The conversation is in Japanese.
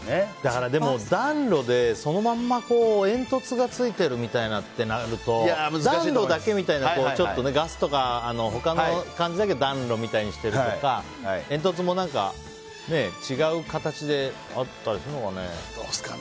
でも、暖炉でそのまま煙突がついてるみたいなってなると暖炉だけみたいなガスとか、他の感じだけど暖炉みたいにしてるとか煙突も違う形であったりするのかね？